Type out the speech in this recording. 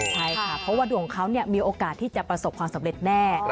ใช่ค่ะเพราะว่าดวงเขามีโอกาสที่จะประสบความสำเร็จแน่